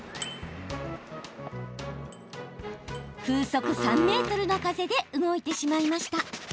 風速３メートルの風で動いてしまいました。